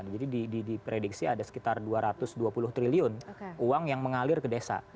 jadi diprediksi ada sekitar dua ratus dua puluh triliun uang yang mengalir ke desa